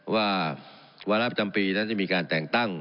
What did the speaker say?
ว่าวาระประจำปีนั้นจะมีการแต่งตั้ง